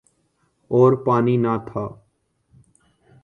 اور پانی نہ تھا۔